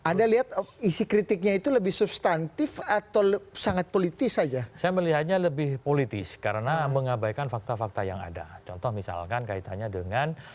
anda lihat isi kritiknya itu lebih substantif atau sangat politis saja saya melihatnya lebih politis karena mengabaikan fakta fakta yang ada contoh misalkan kaitannya dengan